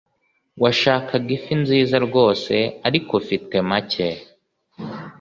washakaga ifi nziza rwose ariko ufite make